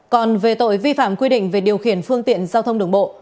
còn về tội vi phạm quy định về điều khiển phương tiện giao thông đường bộ